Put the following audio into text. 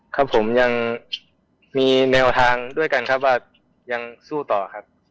ครับผมยังมีแนวทางด้วยกันครับว่ายังสู้ต่อครับ